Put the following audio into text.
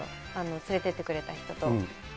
連れてってくれた人と。